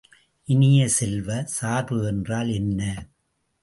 இனிய செல்வ, சார்பு என்றால் என்ன?